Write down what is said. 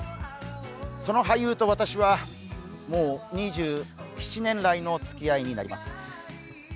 その俳優と私は、もう２７年来のつきあいになります。